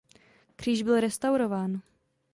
Kříž byl restaurován.